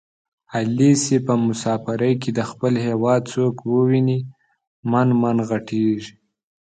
علي چې په مسافرۍ کې د خپل هېواد څوک وویني من من ِغټېږي.